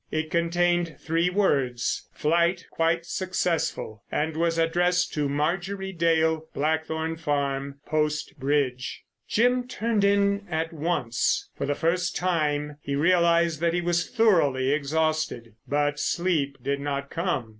It contained three words. "Flight quite successful," and was addressed to "Marjorie Dale, Blackthorn Farm, Post Bridge." Jim turned in at once. For the first time he realised that he was thoroughly exhausted. But sleep did not come.